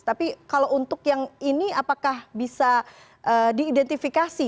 tapi kalau untuk yang ini apakah bisa diidentifikasi